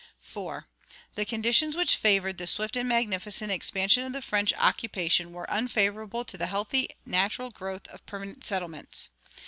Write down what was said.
4. The conditions which favored the swift and magnificent expansion of the French occupation were unfavorable to the healthy natural growth of permanent settlements.